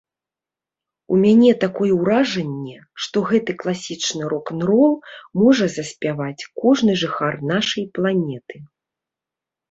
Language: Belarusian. У мяне такое ўражанне, што гэты класічны рок-н-рол можа заспяваць кожны жыхар нашай планеты.